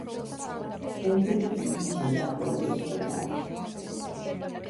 შემდეგ ხივის შესახვევი ეწოდა.